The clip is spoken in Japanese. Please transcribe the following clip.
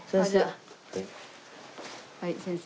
はい先生。